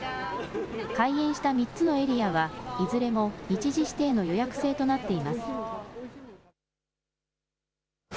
開園した３つのエリアは、いずれも日時指定の予約制となっています。